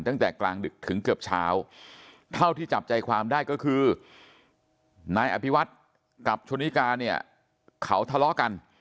ตั้งแต่กลางดึกถึงเกือบเช้าเท่าที่จับใจความได้ก็คือนายอภิวัตกับชนิกาเนี่ยเขาทะเลาะกัน